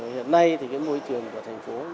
hiện nay thì môi trường của thành phố